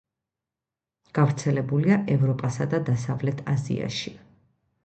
გავრცელებულია ევროპასა და დასავლეთ აზიაში.